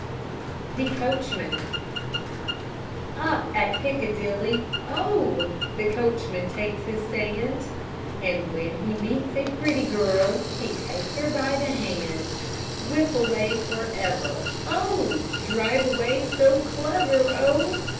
THE COACHMAN Up at Piccadilly, oh! The coachman takes his stand, And when he meets a pretty girl He takes her by the hand; Whip away forever, oh! Drive away so clever, oh!